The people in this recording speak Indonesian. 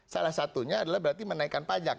salah satunya adalah berarti menaikkan pajak